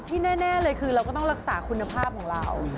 แน่เลยคือเราก็ต้องรักษาคุณภาพของเรา